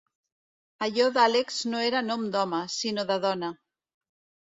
Allò d'Alex no era nom d'home, sinó de dona.